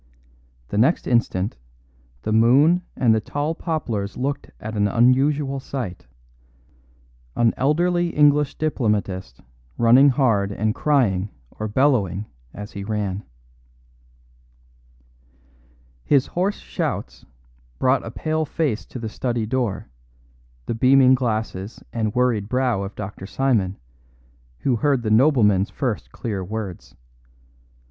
The next instant the moon and the tall poplars looked at an unusual sight an elderly English diplomatist running hard and crying or bellowing as he ran. His hoarse shouts brought a pale face to the study door, the beaming glasses and worried brow of Dr. Simon, who heard the nobleman's first clear words.